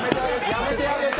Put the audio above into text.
やめてあげて！